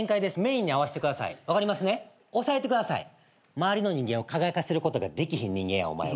周りの人間を輝かせることができひん人間やお前は。